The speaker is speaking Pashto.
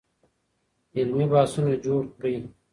علمي بحثونه جوړ کړئ.